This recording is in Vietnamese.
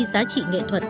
giá trị nghệ thuật